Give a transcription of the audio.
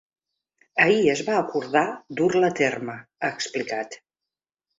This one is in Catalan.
“Ahir es va acordar dur-la a terme”, ha explicat.